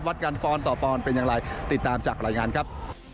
วัดกันปอนดต่อปอนด์เป็นอย่างไรติดตามจากรายงานครับ